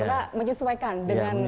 ya menyesuaikan dengan